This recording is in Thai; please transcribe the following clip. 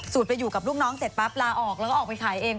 ไปอยู่กับลูกน้องเสร็จปั๊บลาออกแล้วก็ออกไปขายเอง